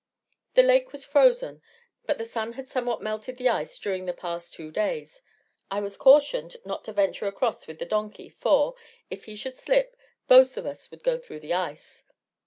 The lake was frozen, but the sun had somewhat melted the ice during the past two days. I was cautioned not to venture across with the donkey, for, if he should slip, both of us would go through the ice.